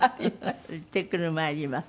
「行ってくるまいります」。